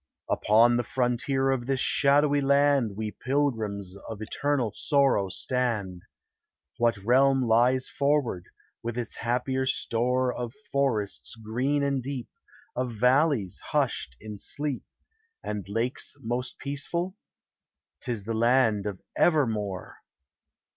Upon the frontier of (bis shadowy land We pilgrims of eternal sorrow stand: What realm lies forward, with its happier store Of forests green and deep, Of valleys hushed in sleep, And lakes most peaceful ? 'T is the land of Evermore.